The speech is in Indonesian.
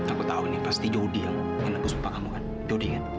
aku tau nih pasti jody yang nge nebus papa kamu kan jody kan